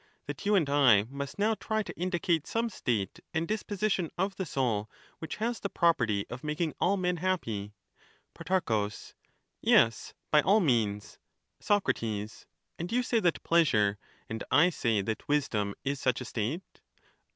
That you and I must now try to indicate some state and disposition of the soul which has the property of making all men happy. Pro. Yes, by all means. Soc. And you say that pleasure, and I say that wisdom, is such a state